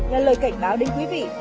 là lời cảnh báo đến quý vị